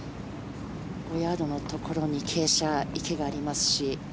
５ヤードのところに傾斜池がありますし。